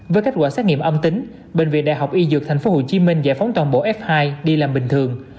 với kết quả xét nghiệm âm tính bệnh viện đại học y dược tp hcm giải phóng toàn bộ f hai đi làm bình thường